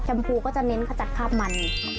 แชมพูก็จะเน้นจัดภาพมัน